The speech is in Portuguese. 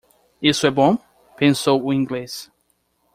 Isso é bom? pensou o inglês.